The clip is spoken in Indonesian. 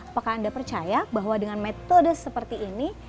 apakah anda percaya bahwa dengan metode seperti ini